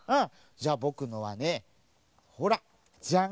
じゃあぼくのはねほらジャン！